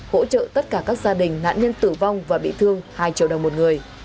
hỗ trợ tất cả các gia đình nạn nhân tử vong và bị thương hai triệu đồng một người